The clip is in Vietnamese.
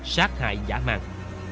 sát hại giả mạng